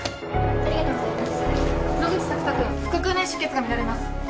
ありがとうございます。